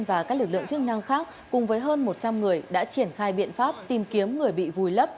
và các lực lượng chức năng khác cùng với hơn một trăm linh người đã triển khai biện pháp tìm kiếm người bị vùi lấp